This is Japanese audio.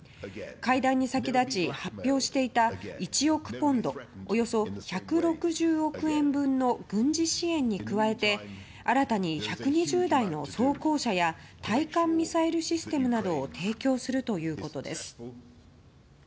会談に先立ち発表していた１億ポンド＝およそ１６０億円分の軍事支援に加えて新たに１２０台の装甲車や対艦ミサイルシステムなどを提供するということです。